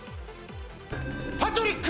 パトリック！